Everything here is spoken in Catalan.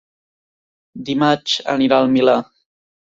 Dimarts anirà al Milà.